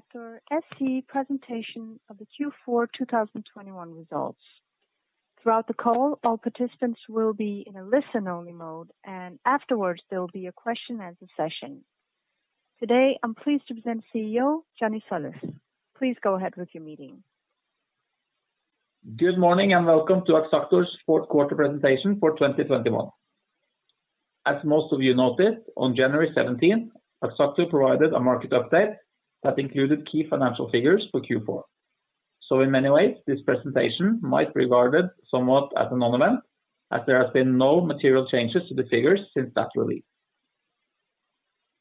Welcome to the Axactor SE presentation of the Q4 2021 results. Throughout the call, all participants will be in a listen-only mode, and afterwards, there will be a question and answer session. Today, I'm pleased to present CEO, Johnny Tsolis. Please go ahead with your meeting. Good morning and welcome to Axactor's fourth quarter presentation for 2021. As most of you noted, on January 17th, Axactor provided a market update that included key financial figures for Q4. In many ways this presentation might be regarded somewhat as a non-event as there has been no material changes to the figures since that release.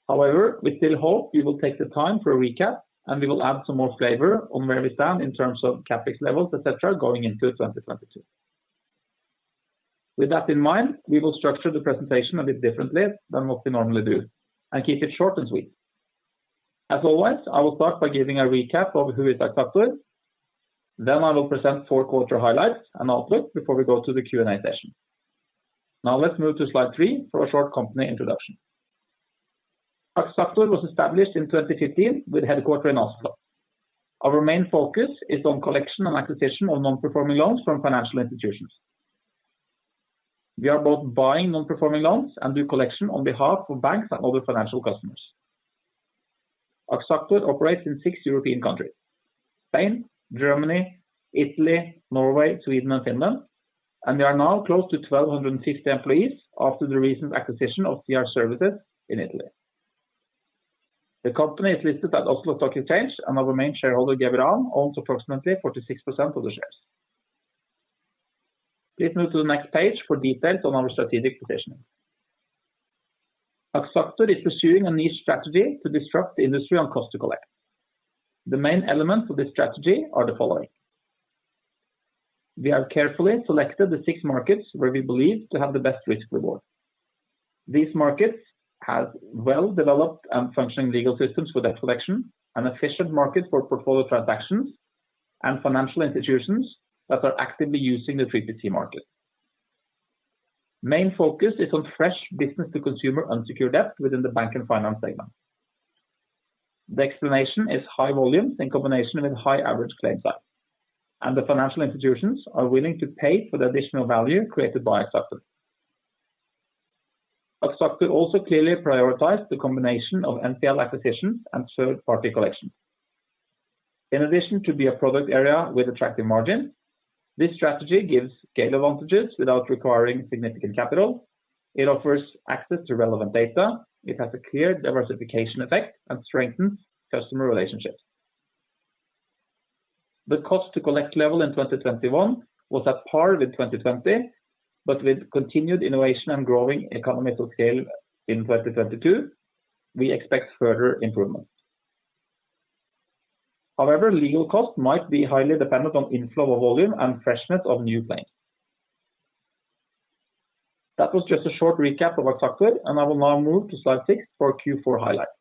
However, we still hope we will take the time for a recap, and we will add some more flavor on where we stand in terms of CapEx levels, et cetera, going into 2022. With that in mind, we will structure the presentation a bit differently than what we normally do and keep it short and sweet. As always, I will start by giving a recap of who is Axactor. Then I will present fourth quarter highlights and outlook before we go to the Q&A session. Now let's move to slide three for a short company introduction. Axactor was established in 2015 with headquarters in Oslo. Our main focus is on collection and acquisition of non-performing loans from financial institutions. We are both buying non-performing loans and do collection on behalf of banks and other financial customers. Axactor operates in six European countries: Spain, Germany, Italy, Norway, Sweden, and Finland, and we are now close to 1,260 employees after the recent acquisition of CR Service in Italy. The company is listed at Oslo Stock Exchange, and our main shareholder, Geveran, owns approximately 46% of the shares. Please move to the next page for details on our strategic positioning. Axactor is pursuing a niche strategy to disrupt the industry on cost to collect. The main elements of this strategy are the following. We have carefully selected the six markets where we believe to have the best risk reward. These markets have well-developed and functioning legal systems for debt collection, an efficient market for portfolio transactions, and financial institutions that are actively using the 3PC market. Main focus is on fresh business to consumer unsecured debt within the bank and finance segment. The explanation is high volumes in combination with high average claim size. The financial institutions are willing to pay for the additional value created by Axactor. Axactor also clearly prioritize the combination of NPL acquisitions and third-party collection. In addition to be a product area with attractive margin, this strategy gives scale advantages without requiring significant capital. It offers access to relevant data. It has a clear diversification effect and strengthens customer relationships. The cost to collect level in 2021 was at par with 2020, but with continued innovation and growing economies of scale in 2022, we expect further improvement. However, legal costs might be highly dependent on inflow of volume and freshness of new claims. That was just a short recap of Axactor, and I will now move to slide six for Q4 highlights.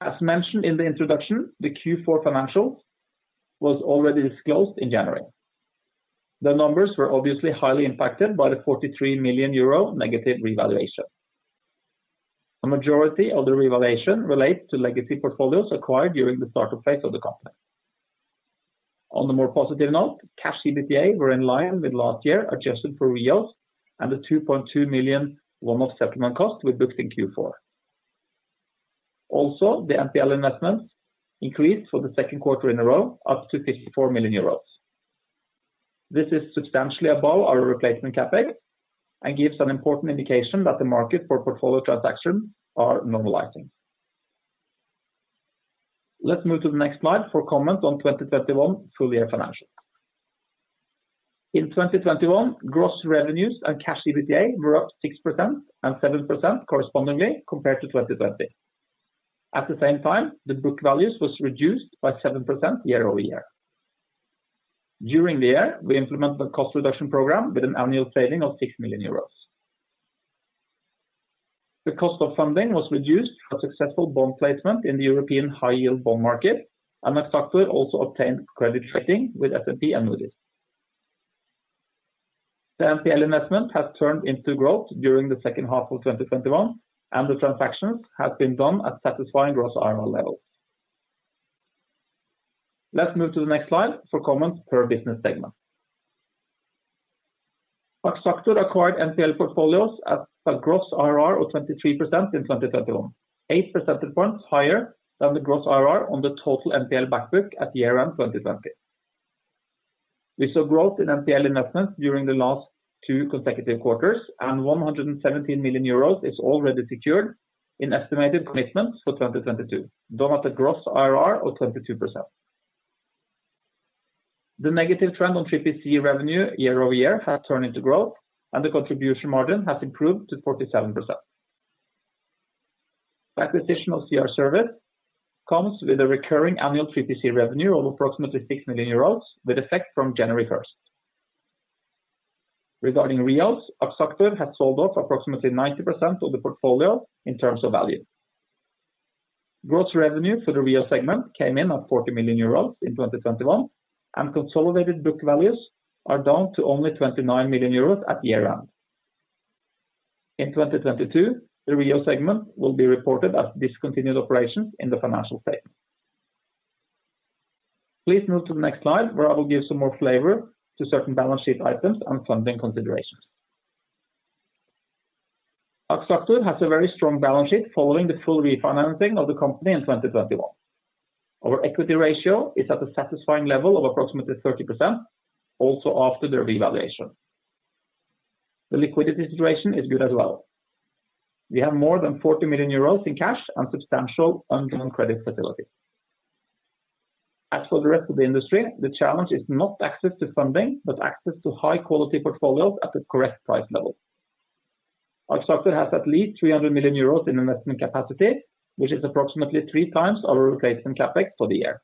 As mentioned in the introduction, the Q4 financials was already disclosed in January. The numbers were obviously highly impacted by the 43 million euro negative revaluation. A majority of the revaluation relates to legacy portfolios acquired during the startup phase of the company. On a more positive note, cash EBITDA were in line with last year, adjusted for REOs and the 2.2 million one-off settlement cost we booked in Q4. The NPL investments increased for the second quarter in a row, up to 54 million euros. This is substantially above our replacement CapEx and gives an important indication that the market for portfolio transactions are normalizing. Let's move to the next slide for comment on 2021 full year financials. In 2021, gross revenues and cash EBITDA were up 6% and 7% correspondingly compared to 2020. At the same time, the book values was reduced by 7% year-over-year. During the year, we implemented a cost reduction program with an annual saving of 6 million euros. The cost of funding was reduced through a successful bond placement in the European high yield bond market, and Axactor also obtained credit rating with S&P and Moody's. The NPL investment has turned into growth during the second half of 2021, and the transactions have been done at satisfying gross IRR levels. Let's move to the next slide for comments per business segment. Axactor acquired NPL portfolios at a gross IRR of 23% in 2021, 8 percentage points higher than the gross IRR on the total NPL back book at year-end 2020. We saw growth in NPL investments during the last two consecutive quarters, and 117 million euros is already secured in estimated commitments for 2022, done at a gross IRR of 22%. The negative trend on 3PC revenue year-over-year has turned into growth, and the contribution margin has improved to 47%. The acquisition of CR Service comes with a recurring annual 3PC revenue of approximately 6 million euros with effect from January 1st. Regarding REOs, Axactor has sold off approximately 90% of the portfolio in terms of value. Gross revenue for the REO segment came in at 40 million euros in 2021, and consolidated book values are down to only 29 million euros at year-end. In 2022, the REO segment will be reported as discontinued operations in the financial statement. Please move to the next slide where I will give some more flavor to certain balance sheet items and funding considerations. Axactor has a very strong balance sheet following the full refinancing of the company in 2021. Our equity ratio is at a satisfying level of approximately 30%, also after the revaluation. The liquidity situation is good as well. We have more than 40 million euros in cash and substantial undrawn credit facility. As for the rest of the industry, the challenge is not access to funding, but access to high quality portfolios at the correct price level. Axactor has at least 300 million euros in investment capacity, which is approximately 3x our replacement CapEx for the year.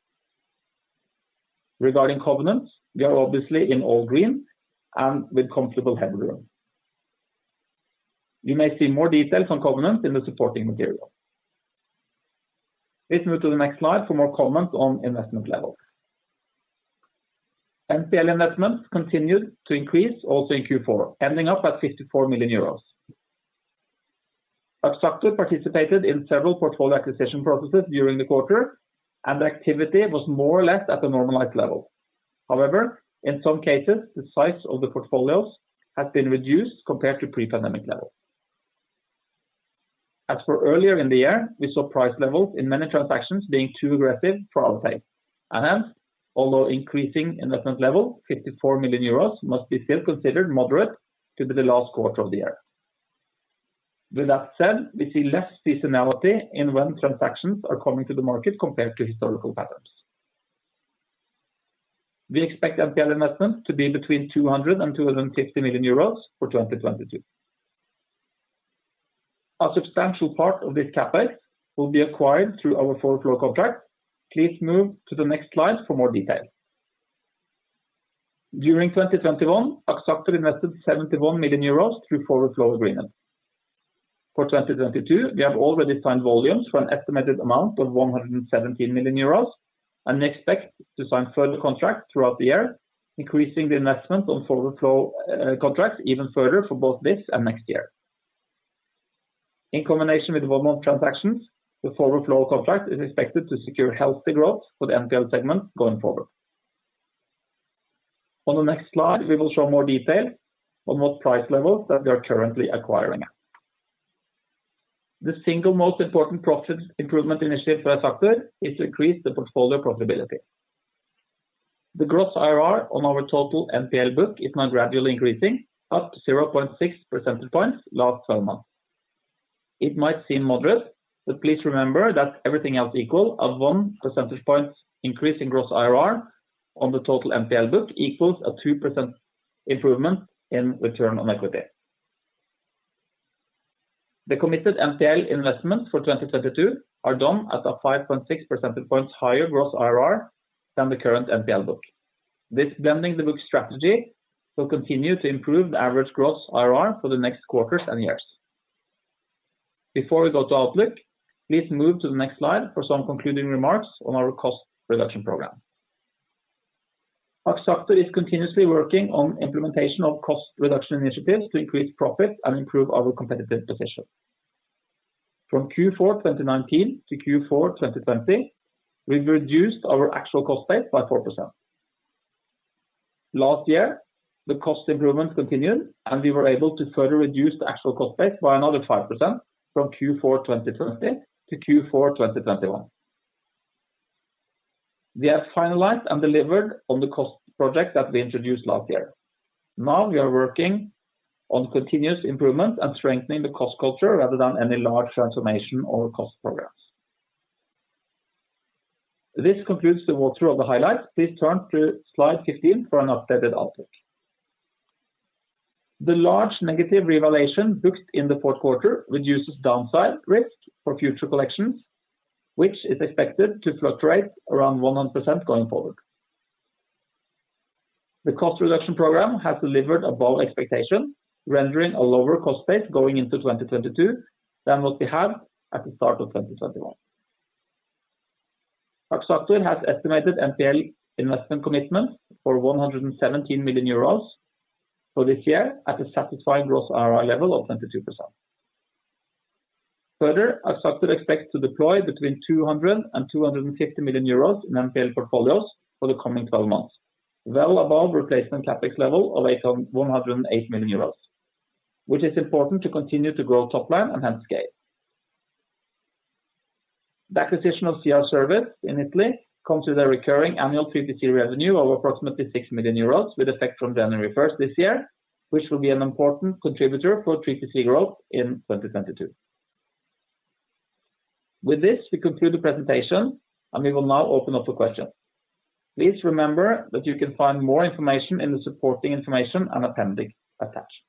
Regarding covenants, we are obviously in all green and with comfortable headroom. You may see more details on covenants in the supporting material. Please move to the next slide for more comments on investment levels. NPL investments continued to increase also in Q4, ending up at 54 million euros. Axactor participated in several portfolio acquisition processes during the quarter, and activity was more or less at a normalized level. However, in some cases, the size of the portfolios has been reduced compared to pre-pandemic levels. As for earlier in the year, we saw price levels in many transactions being too aggressive for our taste. Hence, although increasing investment level, 54 million euros must be still considered moderate to the last quarter of the year. With that said, we see less seasonality in when transactions are coming to the market compared to historical patterns. We expect NPL investments to be between 200 million euros and 250 million euros for 2022. A substantial part of this CapEx will be acquired through our forward flow contract. Please move to the next slide for more detail. During 2021, Axactor invested 71 million euros through forward flow agreement. For 2022, we have already signed volumes for an estimated amount of 117 million euros, and expect to sign further contracts throughout the year, increasing the investment on forward flow contracts even further for both this and next year. In combination with volume of transactions, the forward flow contract is expected to secure healthy growth for the NPL segment going forward. On the next slide, we will show more detail on what price levels that we are currently acquiring at. The single most important profit improvement initiative for Axactor is to increase the portfolio profitability. The gross IRR on our total NPL book is now gradually increasing, up 0.6 percentage points last 12 months. It might seem moderate, but please remember that everything else equal, a 1 percentage point increase in gross IRR on the total NPL book equals a 2% improvement in return on equity. The committed NPL investments for 2022 are done at a 5.6 percentage points higher gross IRR than the current NPL book. This blending the book strategy will continue to improve the average gross IRR for the next quarters and years. Before we go to outlook, please move to the next slide for some concluding remarks on our cost reduction program. Axactor is continuously working on implementation of cost reduction initiatives to increase profit and improve our competitive position. From Q4 2019 to Q4 2020, we've reduced our actual cost base by 4%. Last year, the cost improvement continued, and we were able to further reduce the actual cost base by another 5% from Q4 2020 to Q4 2021. We have finalized and delivered on the cost project that we introduced last year. Now we are working on continuous improvement and strengthening the cost culture rather than any large transformation or cost programs. This concludes the walkthrough of the highlights. Please turn to slide 15 for an updated outlook. The large negative revaluation booked in the fourth quarter reduces downside risk for future collections, which is expected to fluctuate around 100% going forward. The cost reduction program has delivered above expectation, rendering a lower cost base going into 2022 than what we had at the start of 2021. Axactor has estimated NPL investment commitments for 117 million euros for this year at a satisfying gross IRR level of 22%. Further, Axactor expects to deploy between 200 million euros and 250 million euros in NPL portfolios for the coming twelve months, well above replacement CapEx level of 108 million euros, which is important to continue to grow top line and hence scale. The acquisition of CR Service in Italy comes with a recurring annual 3PC revenue of approximately 6 million euros with effect from January first this year, which will be an important contributor for 3PC growth in 2022. With this, we conclude the presentation and we will now open up for questions. Please remember that you can find more information in the supporting information and appendix attached.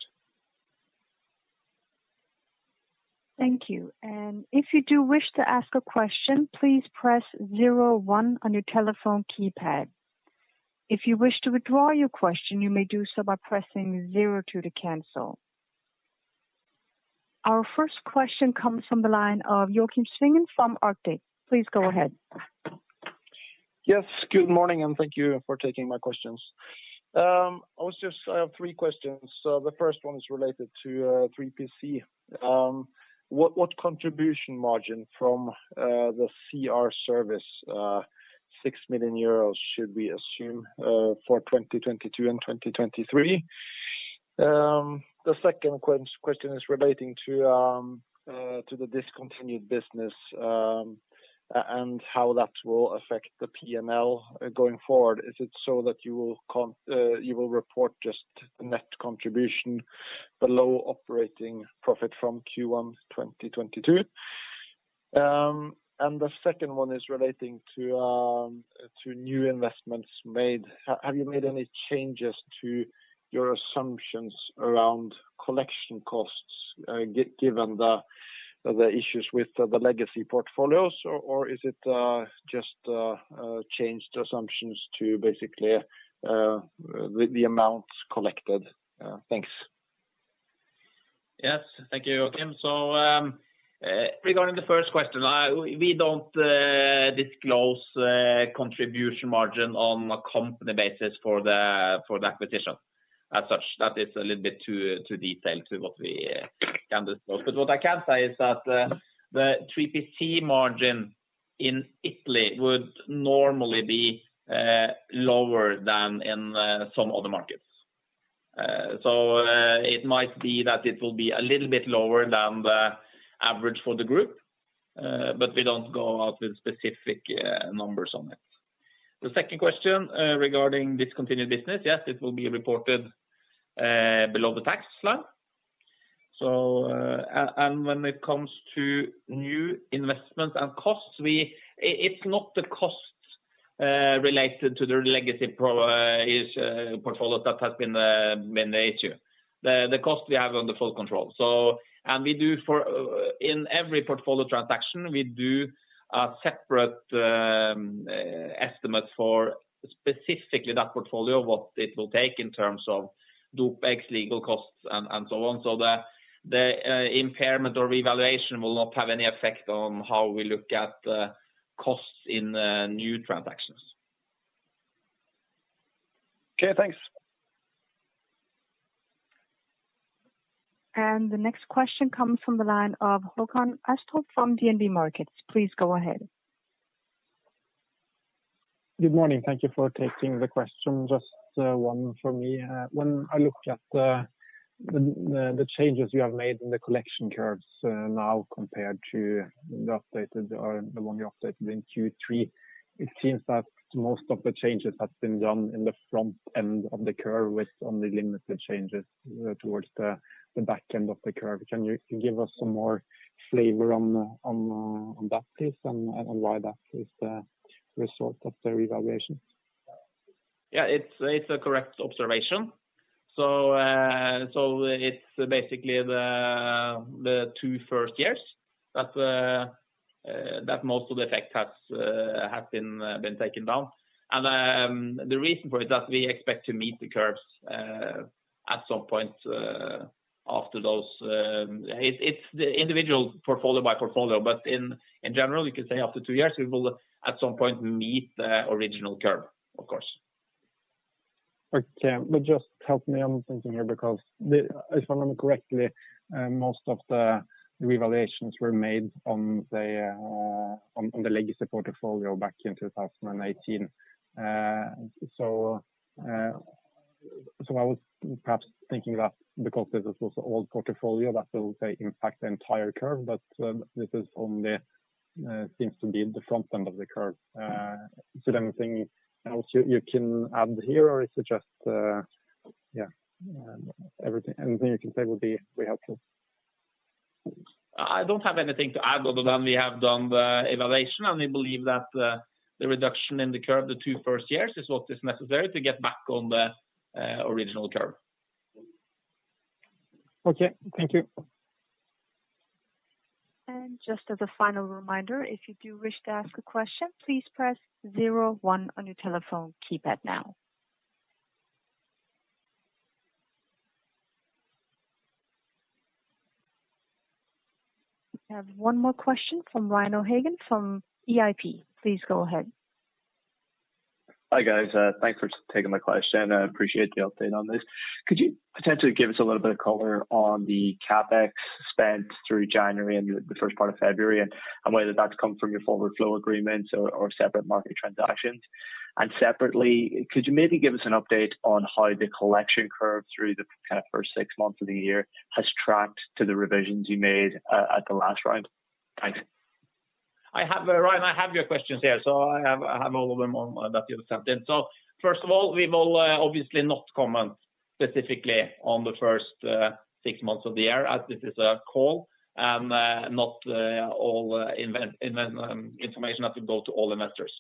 Thank you. If you do wish to ask a question, please press zero one on your telephone keypad. If you wish to withdraw your question, you may do so by pressing zero two to cancel. Our first question comes from the line of Joakim Svingen from Arctic. Please go ahead. Yes. Good morning, and thank you for taking my questions. I have three questions. The first one is related to 3PC. What contribution margin from the CR Service 6 million euros should we assume for 2022 and 2023? The second question is relating to the discontinued business and how that will affect the P&L going forward. Is it so that you will report just net contribution below operating profit from Q1 2022? The second one is relating to new investments made. Have you made any changes to your assumptions around collection costs given the issues with the legacy portfolios? Or is it just changed assumptions to basically the amounts collected? Thanks. Yes. Thank you, Joakim. Regarding the first question, we don't disclose contribution margin on a company basis for the acquisition as such. That is a little bit too detailed to what we can disclose. What I can say is that the 3PC margin in Italy would normally be lower than in some other markets. It might be that it will be a little bit lower than the average for the group. We don't go out with specific numbers on it. The second question regarding discontinued business, yes, it will be reported below the tax line. When it comes to new investments and costs, it's not the costs related to the legacy portfolios that has been the issue. The cost we have under full control. In every portfolio transaction, we do a separate estimate for specifically that portfolio, what it will take in terms of OPEX, external, legal costs and so on. The impairment or revaluation will not have any effect on how we look at the costs in the new transactions. Okay, thanks. The next question comes from the line of Håkon Astrup from DNB Markets. Please go ahead. Good morning. Thank you for taking the question. Just one from me. When I looked at the changes you have made in the collection curves now compared to the updated or the one you updated in Q3, it seems that most of the changes have been done in the front end of the curve, with only limited changes towards the back end of the curve. Can you give us some more flavor on that piece and why that is the result of the revaluation? Yeah, it's a correct observation. It's basically the two first years that most of the effect has been taken down. The reason for it is that we expect to meet the curves at some point after those. It's the individual portfolio by portfolio, but in general, you can say after two years, we will at some point meet the original curve, of course. Okay. Just help me on something here because if I remember correctly, most of the revaluations were made on the legacy portfolio back in 2018. I was perhaps thinking that because this is also old portfolio that will, say, impact the entire curve, but this only seems to be the front end of the curve. Is there anything else you can add here, or is it just yeah, everything, anything you can say would be helpful. I don't have anything to add other than we have done the evaluation, and we believe that the reduction in the curve the two first years is what is necessary to get back on the original curve. Okay, thank you. Just as a final reminder, if you do wish to ask a question, please press zero one on your telephone keypad now. I have one more question from Ryan O'Hagan from EIP. Please go ahead. Hi, guys. Thanks for taking my question. I appreciate the update on this. Could you potentially give us a little bit of color on the CapEx spent through January and the first part of February, and whether that's come from your forward flow agreements or separate market transactions? Separately, could you maybe give us an update on how the collection curve through the kind of first six months of the year has tracked to the revisions you made at the last round? Thanks. I have, Ryan, your questions here. I have all of them on hand that you have sent in. First of all, we will obviously not comment specifically on the first six months of the year as this is a call and not investor information that will go to all investors.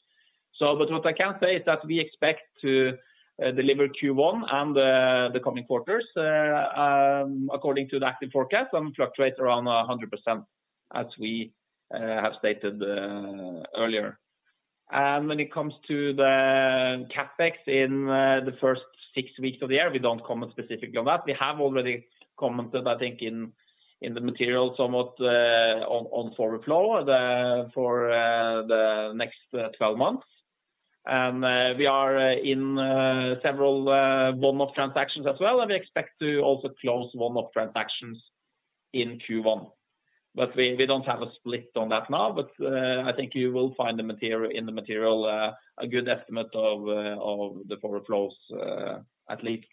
But what I can say is that we expect to deliver Q1 and the coming quarters according to the active forecast and fluctuate around 100% as we have stated earlier. When it comes to the CapEx in the first six weeks of the year, we don't comment specifically on that. We have already commented, I think, in the materials somewhat on forward flow for the next 12 months. We are in several one-off transactions as well, and we expect to also close one-off transactions in Q1. We don't have a split on that now, but I think you will find the material in the material a good estimate of the forward flows, at least.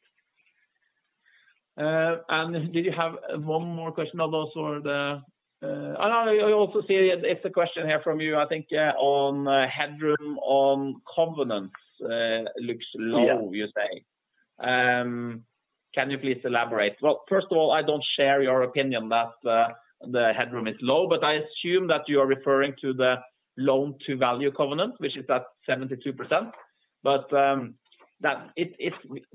Did you have one more question, or those were the? I also see it's a question here from you, I think, on headroom on covenants, looks low. Yeah. You say. Can you please elaborate? Well, first of all, I don't share your opinion that the headroom is low, but I assume that you are referring to the loan-to-value covenant, which is at 72%.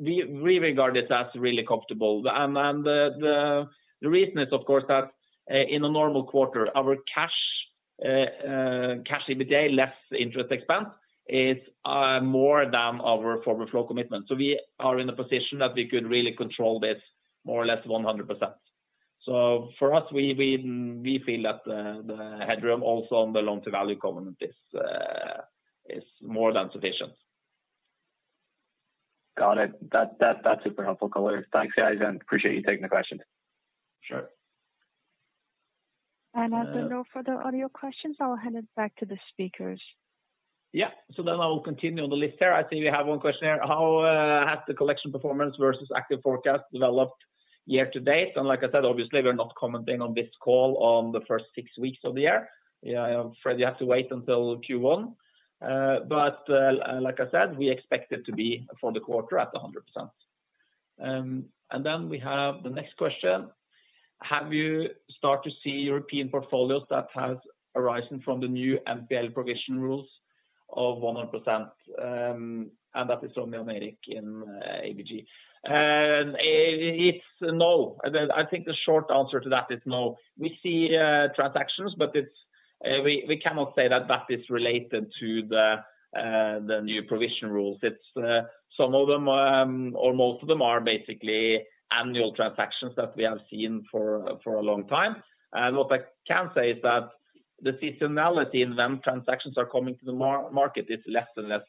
We regard it as really comfortable. The reason is, of course, that in a normal quarter, our cash EBITDA less interest expense is more than our forward flow commitment. We are in a position that we could really control this more or less 100%. For us, we feel that the headroom also on the loan-to-value covenant is more than sufficient. Got it. That's super helpful color. Thanks, guys, and I appreciate you taking the question. Sure. As there are no further audio questions, I'll hand it back to the speakers. I will continue on the list here. I see we have one question here. How has the collection performance versus active forecast developed year to date? Like I said, obviously, we're not commenting on this call on the first six weeks of the year. I'm afraid you have to wait until Q1. Like I said, we expect it to be for the quarter at 100%. We have the next question. Have you started to see European portfolios that has arisen from the new NPL provision rules of 100%? That is from Jan Erik Gjerland in ABG Sundal Collier. It's no. I think the short answer to that is no. We see transactions, but it's we cannot say that is related to the new provision rules. It's some of them, or most of them are basically annual transactions that we have seen for a long time. What I can say is that the seasonality in when transactions are coming to the market is less and less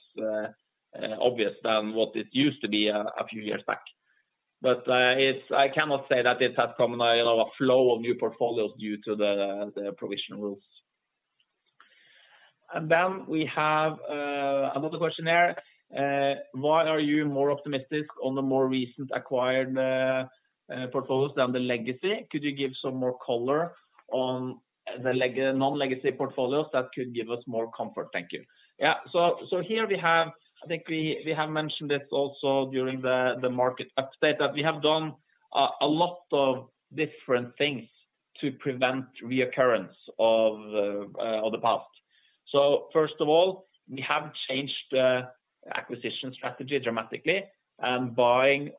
obvious than what it used to be a few years back. I cannot say that it has come in a flow of new portfolios due to the provision rules. We have another question here. Why are you more optimistic on the more recent acquired portfolios than the legacy? Could you give some more color on the non-legacy portfolios that could give us more comfort? Thank you. Yeah. Here we have. I think we have mentioned this also during the market update that we have done a lot of different things to prevent reoccurrence of the past. First of all, we have changed the acquisition strategy dramatically and buying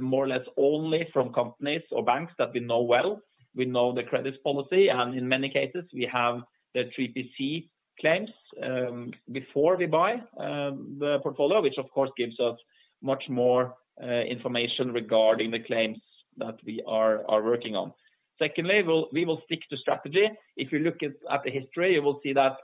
more or less only from companies or banks that we know well. We know the credit policy, and in many cases, we have the 3PC claims before we buy the portfolio, which of course gives us much more information regarding the claims that we are working on. Secondly, we will stick to strategy. If you look at the history, you will see that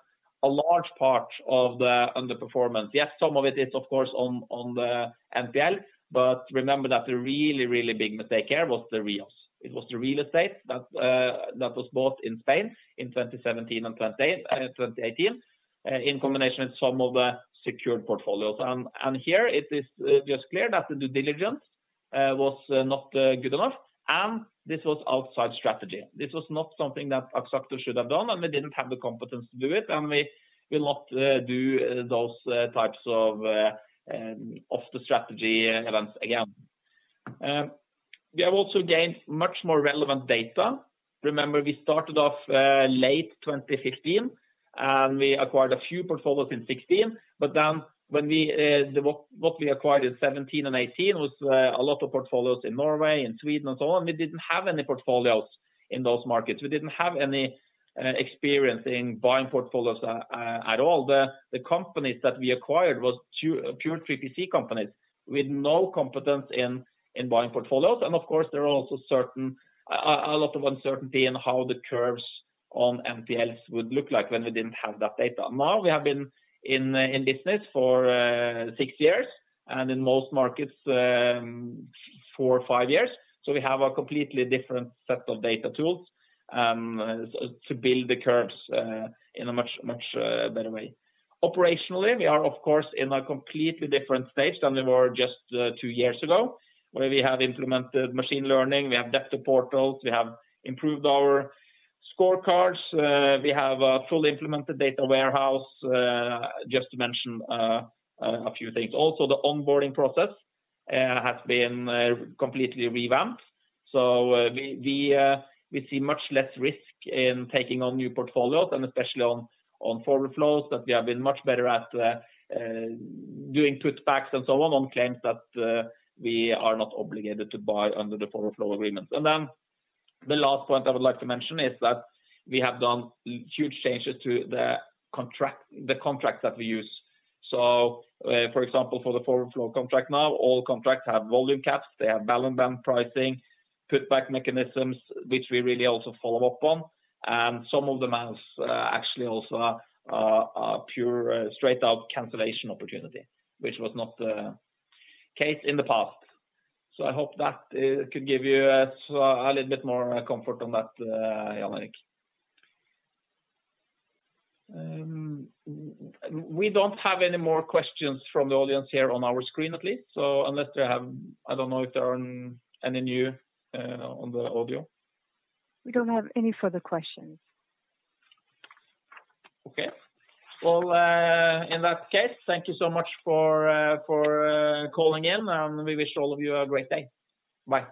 a large part of the underperformance, yes, some of it is of course on the NPL, but remember that the really big mistake here was the REOs. It was the real estate that that was bought in Spain in 2017 and 2018, in combination with some of the secured portfolios. Here it is just clear that the due diligence was not good enough, and this was outside strategy. This was not something that Axactor should have done, and we didn't have the competence to do it, and we will not do those types of off-the-strategy events again. We have also gained much more relevant data. Remember, we started off late 2015, and we acquired a few portfolios in 2016. When we acquired in 2017 and 2018 was a lot of portfolios in Norway, in Sweden, and so on. We didn't have any portfolios in those markets. We didn't have any experience in buying portfolios at all. The companies that we acquired was pure 3PC companies with no competence in buying portfolios. Of course, there are also a lot of uncertainty in how the curves on NPLs would look like when we didn't have that data. Now, we have been in business for six years, and in most markets, four or five years. We have a completely different set of data tools to build the curves in a much better way. Operationally, we are, of course, in a completely different stage than we were just two years ago, where we have implemented machine learning, we have debtor portals, we have improved our scorecards, we have a fully implemented data warehouse, just to mention a few things. The onboarding process has been completely revamped. We see much less risk in taking on new portfolios, and especially on forward flows that we have been much better at doing put backs and so on on claims that we are not obligated to buy under the forward flow agreements. Then the last point I would like to mention is that we have done huge changes to the contracts that we use. For example, for the forward flow contract now, all contracts have volume caps, they have balance band pricing, put back mechanisms, which we really also follow up on. Some of them has actually also a pure straight up cancellation opportunity, which was not the case in the past. I hope that could give you a little bit more comfort on that, Jan Erik Gjerland. We don't have any more questions from the audience here on our screen, at least. Unless you have, I don't know if there are any new on the audio. We don't have any further questions. Okay. Well, in that case, thank you so much for calling in, and we wish all of you a great day. Bye.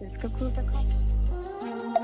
This concludes our call.